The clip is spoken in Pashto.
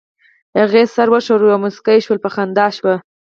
هغې سر وښوراوه او موسکۍ شول، په خندا شوه.